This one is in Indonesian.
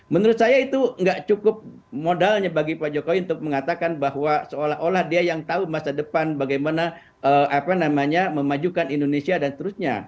menurut saya itu nggak cukup modalnya bagi pak jokowi untuk mengatakan bahwa seolah olah dia yang tahu masa depan bagaimana memajukan indonesia dan seterusnya